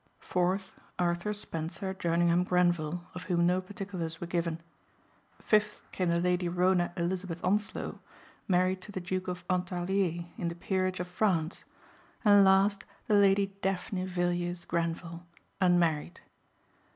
Fourth, Arthur Spencer Jerningham Grenvil of whom no particulars were given. Fifth came the Lady Rhona Elizabeth Onslow married to the Duke of Ontarlier in the peerage of France and last the Lady Daphne Villiers Grenvil, unmarried.